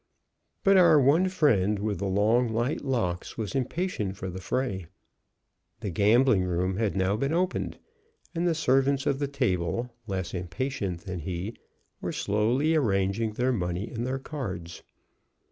But our one friend with the long light locks was impatient for the fray. The gambling room had now been opened, and the servants of the table, less impatient than he, were slowly arranging their money and their cards.